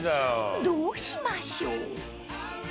［どうしましょう］